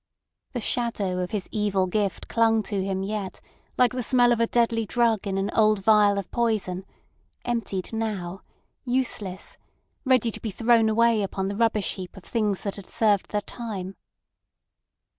The shadow of his evil gift clung to him yet like the smell of a deadly drug in an old vial of poison, emptied now, useless, ready to be thrown away upon the rubbish heap of things that had served their time.